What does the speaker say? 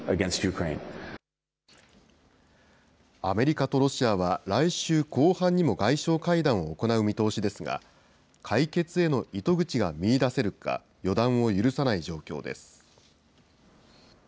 アメリカとロシアは来週後半にも外相会談を行う見通しですが、解決への糸口が見いだせるか、予断を許さない状況です。